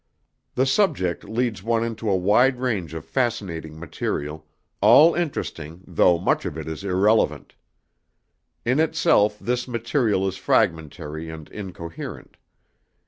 The subject leads one into a wide range of fascinating material, all interesting though much of it is irrelevant. In itself this material is fragmentary and incoherent.